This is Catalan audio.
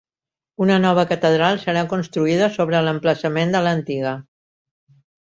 Una nova catedral serà construïda sobre l'emplaçament de l'antiga.